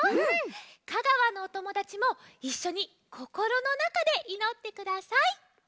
香川のおともだちもいっしょにこころのなかでいのってください。